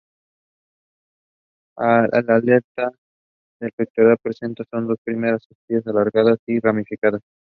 La aleta pectoral presenta sus dos primeras espinas alargadas y no ramificadas.